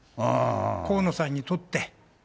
河野さんにとって。